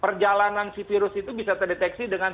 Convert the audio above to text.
perjalanan si virus itu bisa terdeteksi dengan